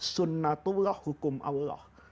sunnatullah hukum allah